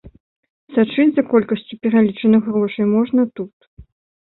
Сачыць за колькасцю пералічаных грошай можна тут.